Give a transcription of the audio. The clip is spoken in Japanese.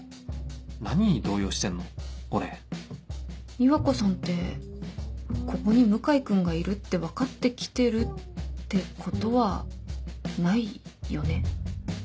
美和子さんってここに向井君がいるって分かって来てるってことはないよね？